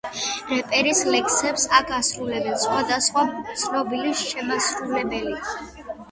რეპერის ლექსებს აქ ასრულებს სხვადასხვა ცნობილი შემსრულებელი.